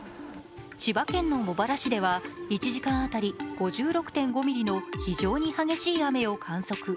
千葉県の茂原市では１時間当たり５６．５ミリの非常に激しい雨を観測。